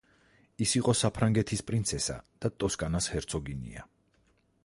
ის იყო საფრანგეთის პრინცესა და ტოსკანას ჰერცოგინია.